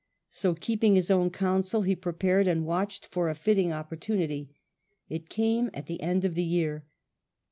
So, keeping his own counsel, he prepared and watched for a fitting opportunity. It came at the end of the year.